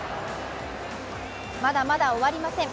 まだまだ終わりません。